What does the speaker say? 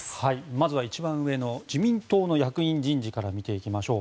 まずは一番上の自民党の役員人事から見ていきましょう。